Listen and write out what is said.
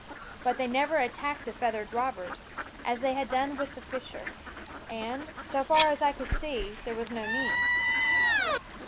But they never attacked the feathered robbers, as they had done with the fisher, and, so far as I could see, there was no need.